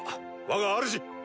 わがあるじ。